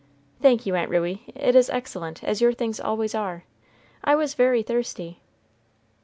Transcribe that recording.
"Thank you, Aunt Ruey; it is excellent, as your things always are. I was very thirsty."